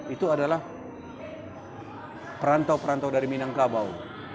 itu adalah perantau perantau dari minangkabau